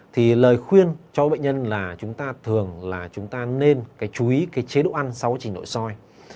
thì lời khuyên cho bệnh nhân là chúng ta thường là chúng ta nên cái chú ý cái chế độ ăn sau quá trình nội soi